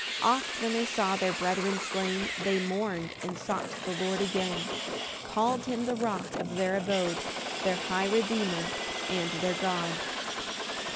4 Oft when they saw their brethren slain, They mourn'd and sought the Lord again; Call'd him the Rock of their abode, Their high Redeemer and their God.